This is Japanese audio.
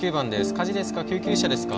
火事ですか？